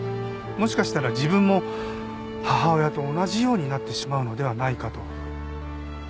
もしかしたら自分も母親と同じようになってしまうのではないかと。